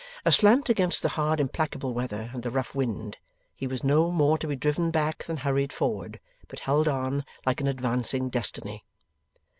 Aslant against the hard implacable weather and the rough wind, he was no more to be driven back than hurried forward, but held on like an advancing Destiny.